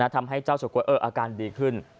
ทำให้เจ้าเฉาก๊วยอาการดีขึ้น